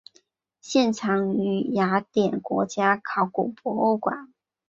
现藏于雅典国家考古博物馆。